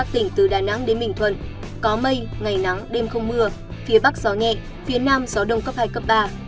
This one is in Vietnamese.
tỉnh từ đà nẵng đến bình thuận có mây ngày nắng đêm không mưa phía bắc gió nhẹ phía nam gió đông cấp hai cấp ba